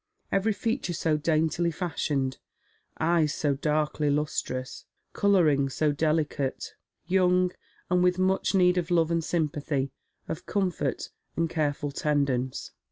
every feature so daintily fashioned, eyes so darkly lustrous, colouring so deli cate ; young, and with much need of love and sympathy, of comfort and careful tendance.